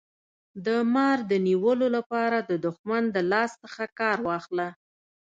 د مار د نیولو لپاره د دښمن د لاس څخه کار واخله.